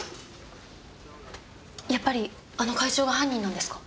やっぱりあの会長が犯人なんですか？